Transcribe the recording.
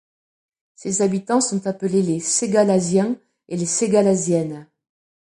Ses habitants, sont appelés les Ségalasiens et les Ségalasiennes.